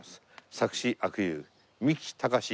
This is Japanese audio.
作詞阿久悠三木たかし